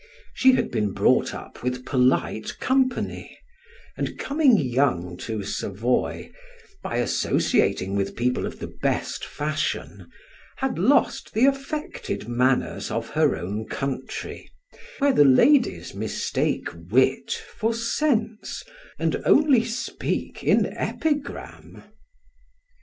She had been brought up with polite company, and coming young to Savoy, by associating with people of the best fashion, had lost the affected manners of her own country, where the ladies mistake wit for sense, and only speak in epigram.